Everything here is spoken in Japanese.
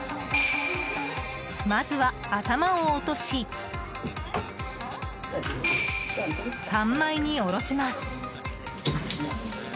まずは頭を落とし三枚におろします。